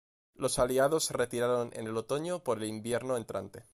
Los aliados se retiraron en el otoño por el invierno entrante.